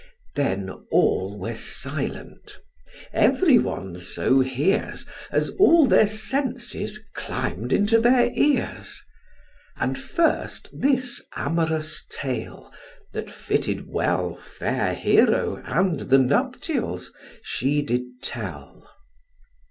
Then all were silent; every one so hears, As all their senses climb'd into their ears: And first this amorous tale, that fitted well Fair Hero and the nuptials, she did tell.